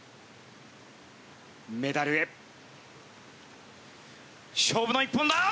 メダルへ勝負の一本だ！